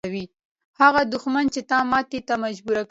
هغه دښمن چې تا ماتې ته مجبوره کوي.